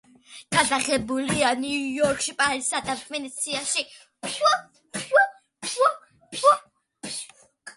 გადაღებულია ნიუ-იორკში, პარიზსა და ვენეციაში.